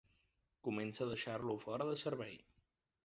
Comença a deixar-lo fora de servei.